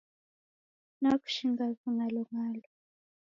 Nakushinga ving'alonga'lo.